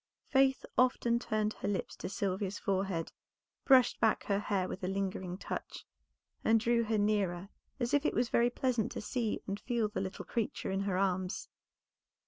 Faith often turned her lips to Sylvia's forehead, brushed back her hair with a lingering touch, and drew her nearer as if it was very pleasant to see and feel the little creature in her arms.